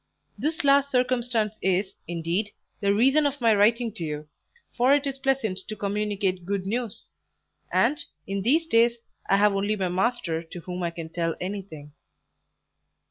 This last circumstance is, indeed, the reason of my writing to you, for it is pleasant to communicate good news; and, in these days, I have only my master to whom I can tell anything.